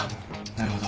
なるほど。